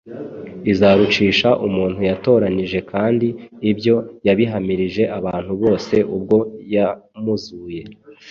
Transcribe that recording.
izarucisha umuntu yatoranije: kandi ibyo yabihamirije abantu bose ubwo yamuzuye”.